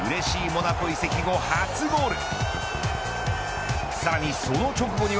モナコ移籍後初ゴール。